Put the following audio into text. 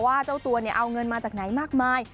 ว่าเจ้าตัวเอาเงินมาจากไหนมากมาย